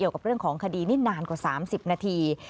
กับเรื่องของคดีนี้นานกว่า๓๐นาที